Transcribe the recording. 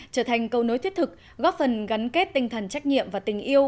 trở thành câu nối thiết thực góp phần gắn kết tinh thần trách nhiệm và tình yêu